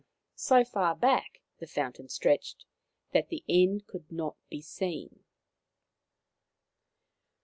So far back the fountain stretched that the end could not be seen.